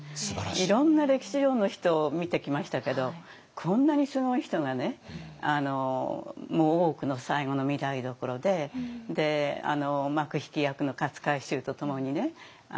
いろんな歴史上の人見てきましたけどこんなにすごい人がね大奥の最後の御台所で幕引き役の勝海舟とともにね